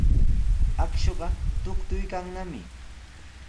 Akshuqa tuktuykannami.